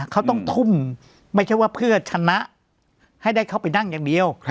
เขาต้องทุ่มไม่ใช่ว่าเพื่อชนะให้ได้เข้าไปนั่งอย่างเดียว